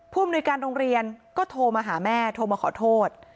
ผู้อำนวยการโรงเรียนก็โทรมาหาแม่โทรมาขอโทษ